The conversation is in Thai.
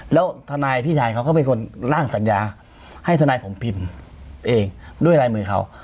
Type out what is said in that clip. แล้วทนายพี่ชายเขาก็เป็นคนล่างสัญญาให้ทนายผมพิมพ์เองด้วยลายมือเขา